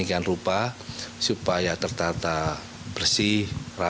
untuk menata makam sendiri itu untuk menata makam sendiri